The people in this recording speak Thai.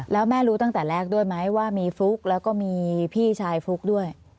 แล้วแม่รู้ตั้งแต่แรกด้วยไหมว่ามีฟลุ๊กแล้วก็มีพี่ชายฟลุ๊กด้วย